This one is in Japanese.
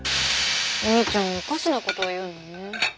お兄ちゃんおかしな事を言うのよね。